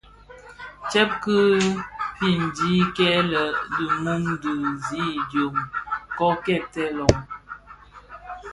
Tsèb ki fiñdim kil è dhi mum dhi zi idyōm kō kèbtèè loň.